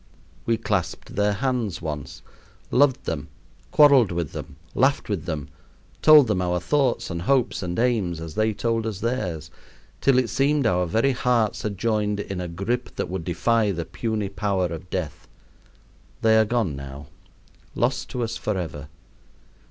We clasped their hands once, loved them, quarreled with them, laughed with them, told them our thoughts and hopes and aims, as they told us theirs, till it seemed our very hearts had joined in a grip that would defy the puny power of Death. They are gone now; lost to us forever.